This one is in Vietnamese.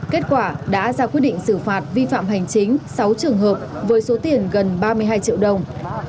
kết quả đã ra quyết định xử phạt vi phạm hành chính sáu trường hợp với số tiền gần ba mươi hai triệu đồng